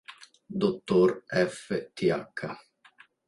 Dr. F. Th.